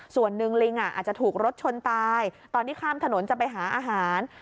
ส่วนหนึ่งลิงอาจจะถูกรถชนตายตอนที่ข้ามถนนจะไปหาอาหาร